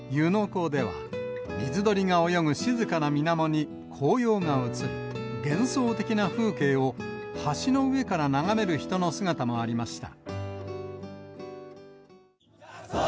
湖では、水鳥が泳ぐ静かな水面に、紅葉が映り、幻想的な風景を橋の上から眺める人の姿もありました。